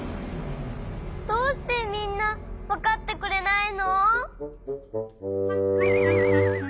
どうしてみんなわかってくれないの！？